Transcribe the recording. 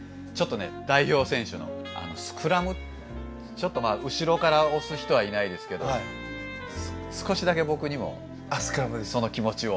ちょっとまあ後ろから押す人はいないですけど少しだけ僕にもその気持ちを。